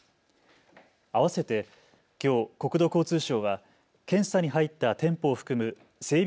あわせてきょう国土交通省は検査に入った店舗を含む整備